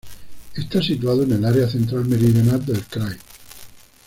Está situado en el área central meridional del krai.